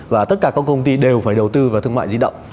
và tất cả các công ty đều phải đầu tư vào thương mại di động